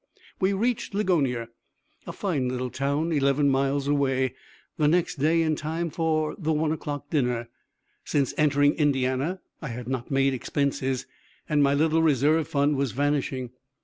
We reached Ligonier, a fine little town eleven miles away, the next day in time for one o'clock dinner. Since entering Indiana I had not made expenses; and my little reserve fund was vanishing.